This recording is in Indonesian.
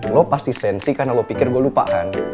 lo pasti sensi karena lo pikir gue lupakan